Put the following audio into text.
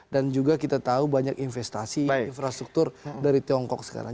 juga kita tahu banyak investasi infrastruktur dari tiongkok sekarang